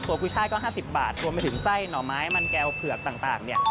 กุ้ยช่ายก็๕๐บาทรวมไปถึงไส้หน่อไม้มันแก้วเผือกต่างเนี่ย